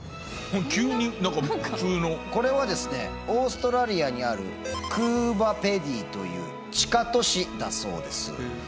急に何か普通の。これはですねオーストラリアにあるクーバーペディという地下都市だそうです。